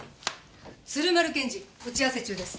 鶴丸検事打ち合わせ中です。